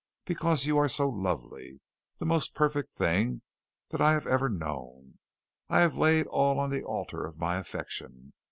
Because you are so lovely the most perfect thing that I have ever known, I have laid all on the altar of my affection.